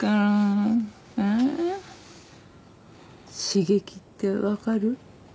刺激って分かる？